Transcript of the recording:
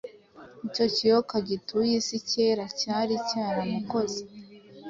Nicyo kiyoka gituye isi kera cyari cyaramukoze